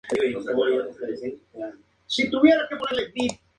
En esta escena no se muestra palabra o diálogo alguno de Death Mask.